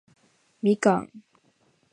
みかん